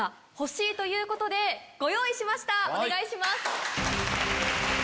お願いします。